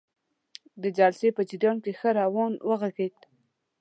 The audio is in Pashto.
د جلسې په جریان کې ښه روان وغږیده.